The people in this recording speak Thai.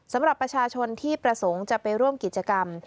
สำหรับประชาชนที่ประสงค์จะไปร่วมกิจกรรม